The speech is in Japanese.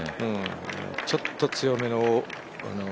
ちょっと強めの。